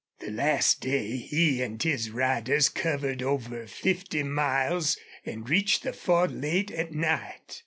The last day he and his riders covered over fifty miles and reached the Ford late at night.